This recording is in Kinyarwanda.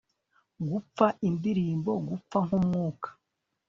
gupfa, indirimbo, gupfa nk'umwuka